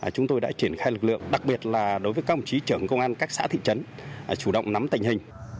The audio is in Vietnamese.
chúng tôi đã triển khai lực lượng đặc biệt là đối với các ông chí trưởng công an các xã thị trấn chủ động nắm tình hình